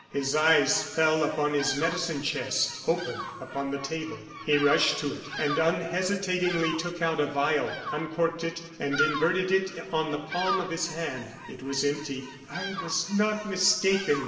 His eyes fell upon his medicine chest, open upon the table. He rushed to it and unhesitatingly took out a vial, uncorked it, and inverted it on the palm of his hand it was empty. "I was not mistaken!"